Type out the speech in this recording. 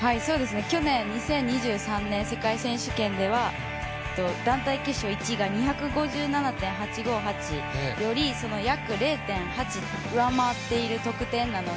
去年２０２３年世界選手権では団体決勝１位が２５７．８５８、約０．８上回っている得点なので。